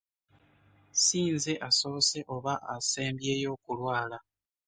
Si nze asoose oba asembyeyo okulwala.